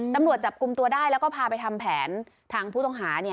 ตำรวจจับกลุ่มตัวได้แล้วก็พาไปทำแผนทางผู้ต้องหา